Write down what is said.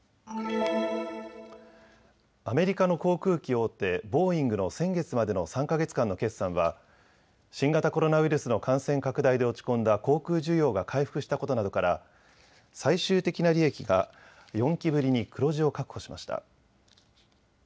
アメリカの航空機大手、ボーイングの先月までの３か月間の決算は新型コロナウイルスの感染拡大で落ち込んだ航空需要が回復したことなどから最終的な利益が４期ぶりに黒字を確保しました。